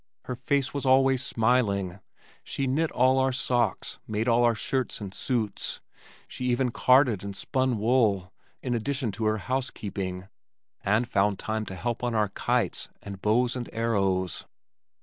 Her face was always smiling. She knit all our socks, made all our shirts and suits. She even carded and spun wool, in addition to her housekeeping, and found time to help on our kites and bows and arrows.